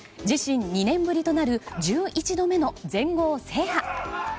自身２年ぶりとなる１１度目の全豪制覇。